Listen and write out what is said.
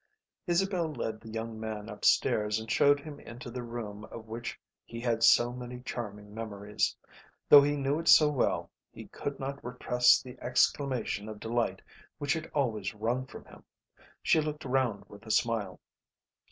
Isabel led the young man upstairs and showed him into the room of which he had so many charming memories. Though he knew it so well he could not repress the exclamation of delight which it always wrung from him. She looked round with a smile.